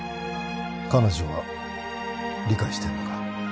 彼女は理解してんのか？